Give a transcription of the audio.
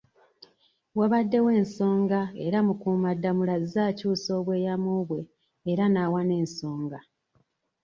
Wabaddewo ensonga era Mukuumaddamula azze akyusa obweyamo bwe era n'awa n'ensonga.